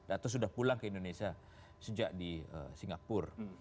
atau sudah pulang ke indonesia sejak di singapura